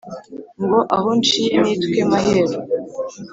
ngo aho nciye nitwe maheru